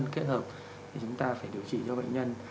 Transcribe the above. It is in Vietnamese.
kết hợp thì chúng ta phải điều trị cho bệnh nhân